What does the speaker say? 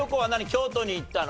京都に行ったの？